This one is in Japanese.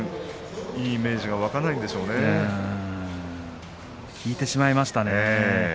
いいイメージが引いてしまいましたね。